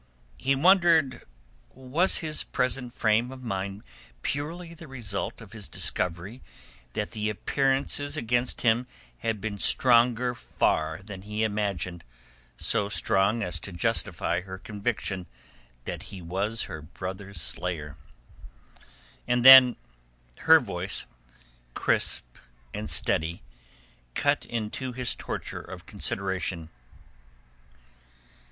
He wondered was his present frame of mind purely the result of his discovery that the appearances against him had been stronger far than he imagined, so strong as to justify her conviction that he was her brother's slayer. And then her voice, crisp and steady, cut into his torture of consideration.